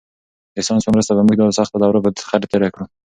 د ساینس په مرسته به موږ دا سخته دوره په خیر سره تېره کړو.